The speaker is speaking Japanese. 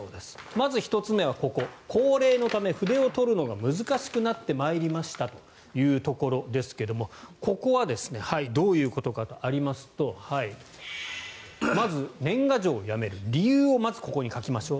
まず１つ目はここ、高齢のため筆を執るのが難しくなってまいりましたというところですがここはどういうことかとありますとまず、年賀状をやめる理由をここに書きましょう。